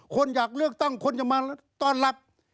คนอยากเลือกตั้งคนจะมาต้อนรับ